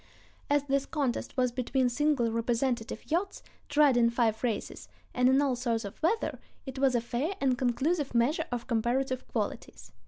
As this contest was between single representative yachts, tried in five races, and in all sorts of weather, it was a fair and conclusive measure of comparative qualities.